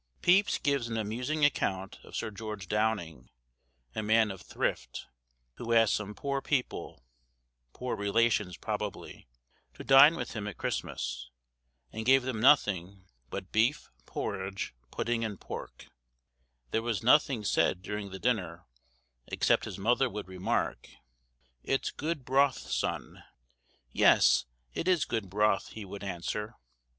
Pepys gives an amusing account of Sir George Downing, a man of thrift, who asked some poor people (poor relations probably) to dine with him at Christmas, and gave them nothing but beef, porridge, pudding, and pork; there was nothing said during the dinner, except his mother would remark, "It's good broth, son." "Yes, it is good broth," he would answer.